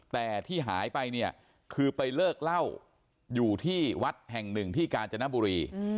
แต่ที่หายไปเนี่ยคือไปเลิกเล่าอยู่ที่วัดแห่งหนึ่งที่กาญจนบุรี